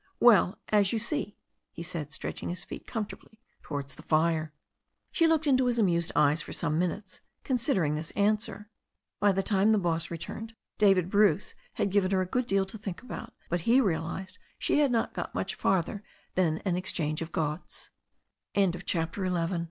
"Well, as you see," he said, stretching his feet com fortably towards the fire. She looked into his amused eyes for some minutes, con sidering this answer. By the time the boss returned David Bruce had given her a good deal to think about, but he realized that she had not got much further than an exc